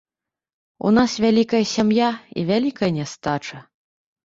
У нас вялікая сям'я і вялікая нястача.